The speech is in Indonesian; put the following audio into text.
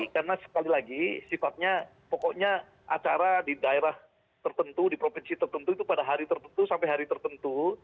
karena sekali lagi sifatnya pokoknya acara di daerah tertentu di provinsi tertentu itu pada hari tertentu sampai hari tertentu